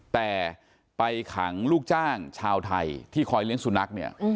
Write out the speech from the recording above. แต่ไปขังลูกจ้างชาวไทยที่คอยเลี้ยงสุนัขเนี่ย